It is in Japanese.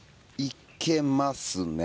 いけます？